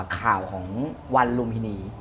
ข่าวของวันลุมพินี